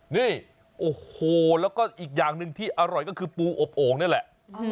นี่โอ้โหแล้วก็อีกอย่างหนึ่งที่อร่อยก็คือปูอบโอ่งนี่แหละ